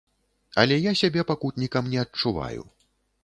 Але я сябе пакутнікам не адчуваю.